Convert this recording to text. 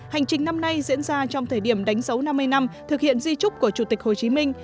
hành trình năm nay diễn ra trong thời điểm đánh dấu năm mươi năm thực hiện di trúc của chủ tịch hồ chí minh